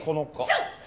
ちょっと！